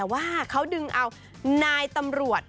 ว่าเขาดึงเอานายตำรวจ